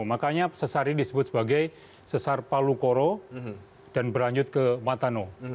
makanya sesar ini disebut sebagai sesar palu koro dan berlanjut ke matano